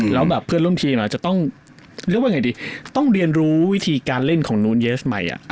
แล้วแบบเพื่อนร่วมทีมันจะต้องเรียนรู้วิธีการเล่นของดาวินนูนเยสใหม่